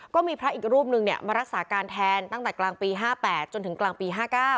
ก็มีพระอีกรูปนึงมารักษาการแทนตั้งแต่กลางปี๕๘จนถึงกลางปี๕๙